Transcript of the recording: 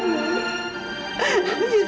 saya tidak lari bu